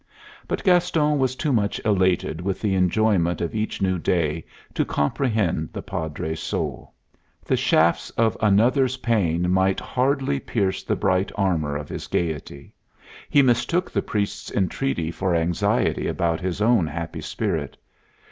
But Gaston was too much elated with the enjoyment of each new day to comprehend the Padre's soul. The shafts of another's pain might hardly pierce the bright armor of his gaiety. He mistook the priest's entreaty, for anxiety about his own happy spirit.